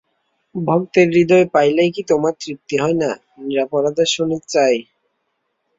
ভক্তের হৃদয় পাইলেই কি তোমার তৃপ্তি হয় না, নিরপরাধের শোণিত চাই?